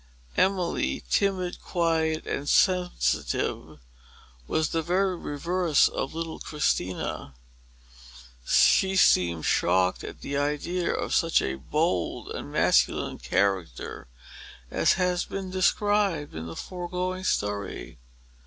Emily, timid, quiet, and sensitive, was the very reverse of little Christina. She seemed shocked at the idea of such a bold and masculine character as has been described in the foregoing story.